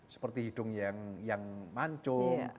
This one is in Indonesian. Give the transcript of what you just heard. seperti hidung yang mancung